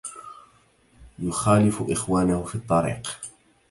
يخالف إخوانه في الطريق